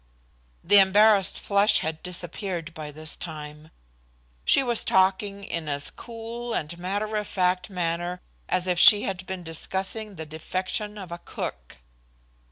The embarrassed flush had disappeared by this time. She was talking in as cool and matter of fact manner as if she had been discussing the defection of a cook.